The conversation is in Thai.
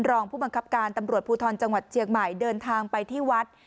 รองผู้บังคับการตำรวจภูทรจังหวัดเชียงใหม่เดินทางไปที่วัด